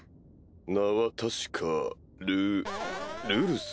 名は確かルルルス？